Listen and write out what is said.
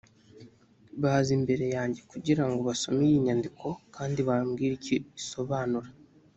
baza imbere yanjye kugira ngo basome iyi nyandiko kandi bambwire icyo isobanura